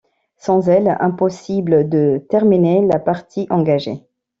Sans elle, impossible de terminer la partie engagée.